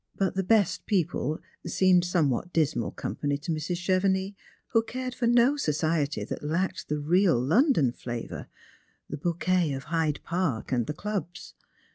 But the best people seemed somewhat dismal company to Mrs. Chevenix, who cared for no society that lacked the real London flavour — the bouquet of Hyde park and the Clubs.